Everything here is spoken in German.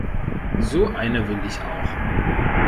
So eine will ich auch.